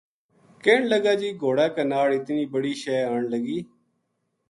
کہن لگا جی گھوڑا کے ناڑ اتنی بڑی شے آن لگی